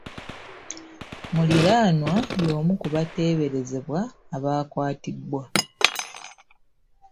Muliraanwa y'omu ku bateeberezebwa abaakwatibwa.